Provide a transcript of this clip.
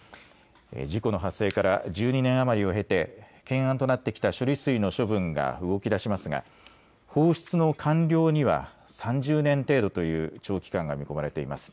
事故の発生から１２年余りを経て懸案となってきた処理水の処分が動き出しますが放出の完了には３０年程度という長期間が見込まれています。